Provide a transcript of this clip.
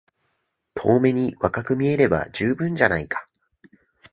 遠目に若く見えれば充分じゃないか。